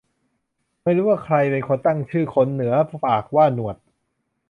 ไม่รู้ว่าใครเป็นคนตั้งชื่อขนเหนือปากว่าหนวด